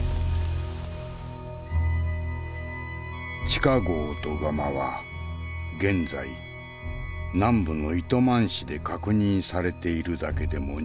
地下壕とガマは現在南部の糸満市で確認されているだけでも２４０か所。